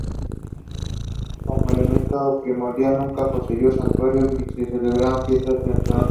Nun, como elemento primordial, nunca poseyó santuarios ni se celebraron fiestas en su honor.